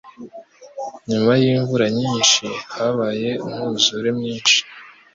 Nyuma yimvura nyinshi, habaye umwuzure mwinshi